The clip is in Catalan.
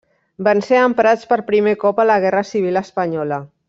Van ser emprats per primer cop a la Guerra civil espanyola.